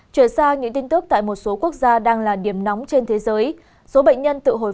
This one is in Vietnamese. trở ra những tin tức tại một số quốc gia đang là điểm nóng trên thế giới